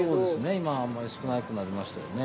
今はあんまり少なくなりましたよね。